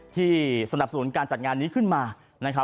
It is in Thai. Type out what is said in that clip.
ที่สนับสนุนการจัดงานนี้ขึ้นมา